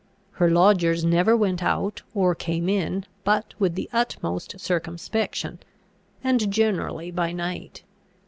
Her lodgers never went out or came in but with the utmost circumspection, and generally by night.